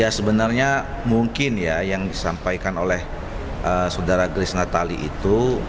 ya sebenarnya mungkin ya yang disampaikan oleh saudara grace natali itu